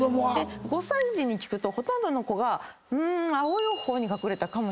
５歳児に聞くとほとんどの子が「青い方に隠れたかもしれない」